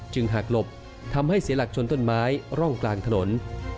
หากหลบทำให้เสียหลักชนต้นไม้ร่องกลางถนน